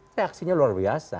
reaksinya luar biasa